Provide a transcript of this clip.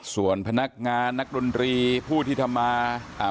ส่วนพนักงานนักดนตรีผู้ที่ทำมาอ่า